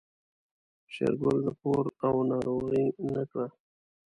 شېرګل د پور او ناروغۍ نه کړه.